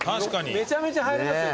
めちゃめちゃ入りますよ。